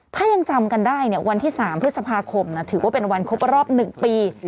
ถ้ายังจำกันได้เนี่ยวันที่๓พฤษภาคมที่ถือว่าวันครบรอบ๑ปี